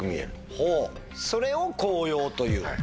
ほうそれを紅葉という。